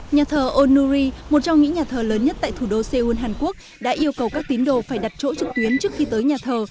nhà thờ onuri một trong những nhà thờ lớn nhất tại thủ đô seoul hàn quốc đã yêu cầu các tín đồ phải đặt chỗ trực tuyến trước khi tới nhà thờ